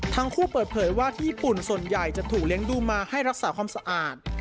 ทั้งคู่เปิดเผยว่าที่ญี่ปุ่นส่วนใหญ่จะถูกเลี้ยงดูมาให้รักษาความสะอาด